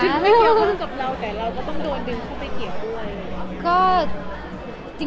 ไม่เกี่ยวข้องกับเราแต่เราก็ต้องโดนดึงเข้าไปเกี่ยวด้วย